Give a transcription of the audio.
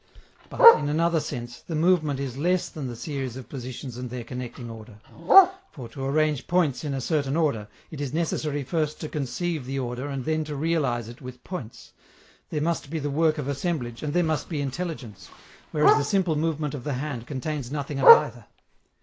But, in another sense, the movement is less than the series of positions and their connecting order; for, to arrange points in a certain order, it is necessary first to conceive the order and then to realize it with points, there must be the work of assemblage and there must be intelligence, whereas the simple movement of the hand contains nothing of either.